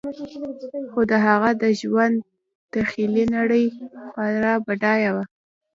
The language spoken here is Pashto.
خو د هغه د ژوند تخیلي نړۍ خورا بډایه وه